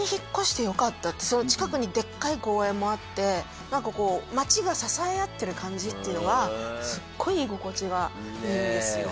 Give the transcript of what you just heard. その近くにでっかい公園もあって何かこう町が支え合ってる感じっていうのがすっごい居心地がいいんですよ